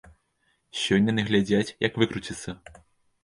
Сёння яны глядзяць, як выкруціцца.